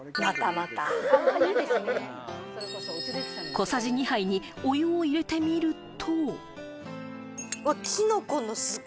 小さじ２杯にお湯を入れてみると。